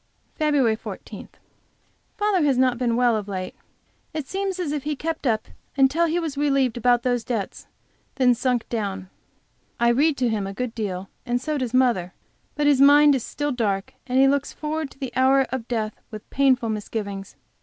FEB. 14. Father has not been so well of late. It seems as if he kept up until he was relieved about those debts, and then sunk down. I read to him a good deal, and so does mother, but his mind is still dark, and he looks forward to the hour of death with painful misgivings.